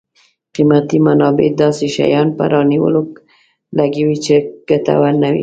قیمتي منابع داسې شیانو په رانیولو لګوي چې ګټور نه وي.